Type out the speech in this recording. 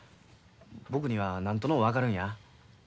僕には何とのう分かるんや。